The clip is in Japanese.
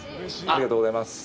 ありがとうございます。